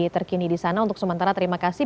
terkini di sana untuk sementara terima kasih